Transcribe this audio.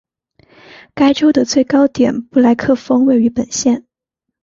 该州的最高点布莱克峰位于本县。